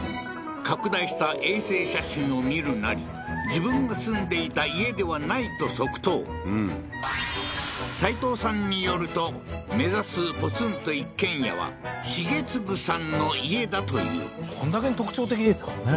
拡大した衛星写真を見るなり自分が住んでいた家ではないと即答うん齋藤さんによると目指すポツンと一軒家はシゲツグさんの家だというこんだけ特徴的ですからね